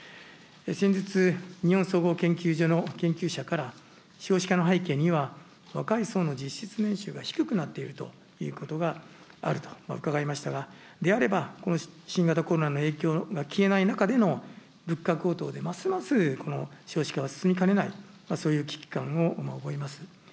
先日、日本総合研究所の研究者から、少子化の背景には、若い層の実質年収が低くなっているということがあると伺いましたが、であれば、この新型コロナの影響が消えない中での物価高騰でますます、この少子化は進みかねない、そういう危機感を覚えます。